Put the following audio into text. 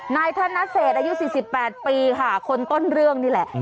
นายธนเศษอายุ๔๘ปีค่ะคนต้นเรื่องนี่แหละ